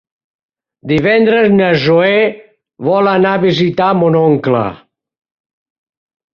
Divendres na Zoè vol anar a visitar mon oncle.